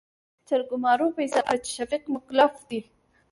جرګمارو فيصله وکړه چې، شفيق مکلف دى.